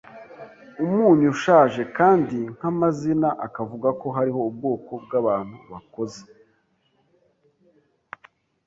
umunyu ushaje "kandi nkamazina, akavuga ko hariho ubwoko bwabantu bakoze